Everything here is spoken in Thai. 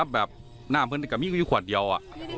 แบบน้ำเหมือนกับไม่มีขวดเดียว